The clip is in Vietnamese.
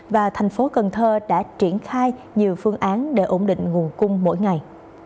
và thành phố cần thơ đã triển khai nhiều phương án để ổn định nguồn cung mỗi ngày